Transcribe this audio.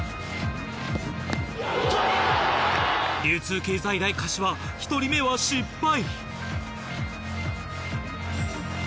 流通経済大柏１人目は失敗。